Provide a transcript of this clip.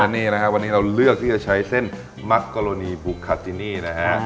นี่นะครับวันนี้เราเลือกที่จะใช้เส้นมักกรณีบุคาตินี่นะฮะ